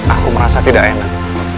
aku merasa tidak enak